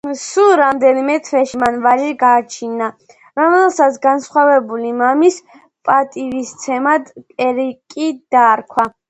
სულ რამდენიმე თვეში მან ვაჟი გააჩინა, რომელსაც განსვენებული მამის პატივსაცემად ერიკი დაარქვა.